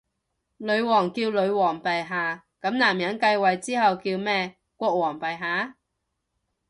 女王叫女皇陛下，噉男人繼位之後叫咩？國王陛下？